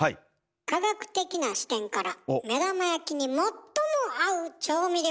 科学的な視点から目玉焼きに最も合う調味料を調べました。